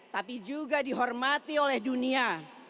tapi juga dihormati oleh dunia